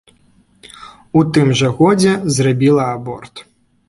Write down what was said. У тым жа годзе зрабіла аборт.